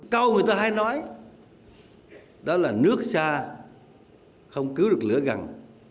câu người ta hay nói đó là nước xa không cứu được lửa gần